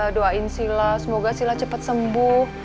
doain sila semoga sila cepat sembuh